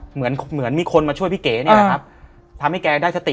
เหมือนเหมือนมีคนมาช่วยพี่เก๋นี่แหละครับทำให้แกได้สติ